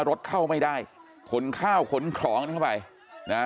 รถเข้าไม่ได้ขนข้าวขนของกันเข้าไปนะฮะ